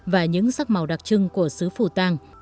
và những sắc màu đặc trưng của xứ phủ tàng